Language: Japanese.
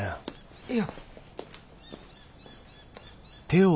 いや。